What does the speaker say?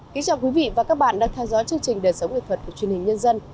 kính chào quý vị và các bạn đang theo dõi chương trình đời sống nghệ thuật của truyền hình nhân dân